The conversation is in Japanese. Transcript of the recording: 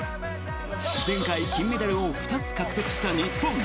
前回、金メダルを２つ獲得した日本。